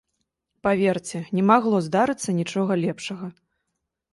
Паверце, не магло здарыцца нічога лепшага!